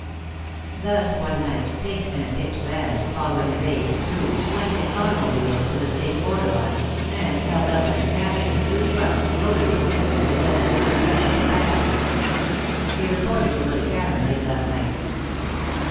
Thus one night Pink and a picked band, following a vague clew, went in automobiles to the state borderline, and held up and captured two trucks loaded with whiskey and destined for Friendship and Baxter. He reported to Willy Cameron late that night.